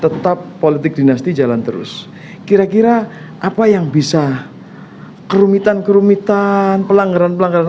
tetap politik dinasti jalan terus kira kira apa yang bisa kerumitan kerumitan pelanggaran pelanggaran